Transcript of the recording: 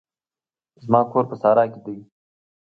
زما کور په صحرا کښي دی.